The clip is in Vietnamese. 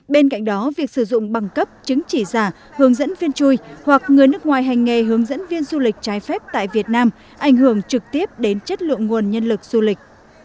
bên cạnh đó việc sử dụng bằng cấp chứng chỉ giả hướng dẫn viên chui hoặc người nước ngoài hành nghề hướng dẫn viên du lịch trái phép tại việt nam ảnh hưởng trực tiếp đến chất lượng nguồn nhân lực du lịch